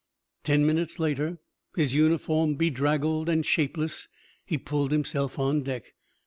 Ten minutes later, his uniform bedraggled and shapeless, he pulled himself on deck.